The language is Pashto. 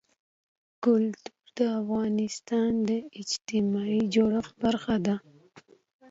کلتور د افغانستان د اجتماعي جوړښت برخه ده.